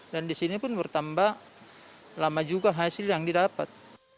dan di sini pun bertambah lama juga hasil yang didapat